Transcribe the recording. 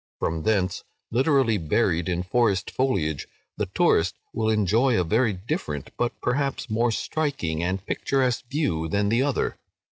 From thence, literally buried in forest foliage, the tourist will enjoy a very different, but, perhaps, more striking and picturesque view than the other.